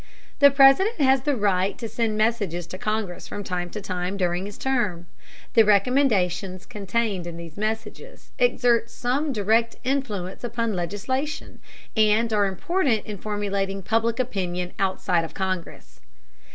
The President has the right to send messages to Congress from time to time during his term. The recommendations contained in these messages exert some direct influence upon legislation, and are important in formulating public opinion outside of Congress.